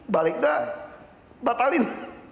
balik dah batalin